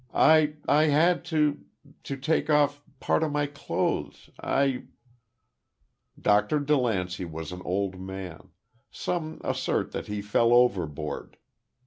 "I I had to to take off part of my clothes. I " Dr. DeLancey was an old man; some assert that he fell overboard.